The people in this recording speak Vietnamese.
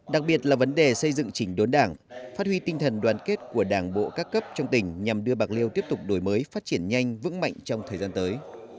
đặc biệt là vấn đề xây dựng trình đốn đảng phát huy tinh thần đoàn kết của đảng bộ các cấp trong tỉnh nhằm đưa bạc liêu tiếp tục đổi mới phát triển nhanh vững mạnh trong thời gian tới